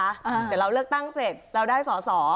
เดี๋ยวเราเลือกตั้งเสร็จเราได้สอสอ